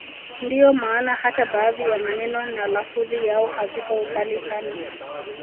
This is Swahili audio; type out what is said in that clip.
Ndio maana hata baadhi ya maneno na lafudhi yao haviko mbali sana